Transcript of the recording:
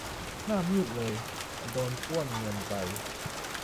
หน้ามืดเลย โดน ปล้นเงินไป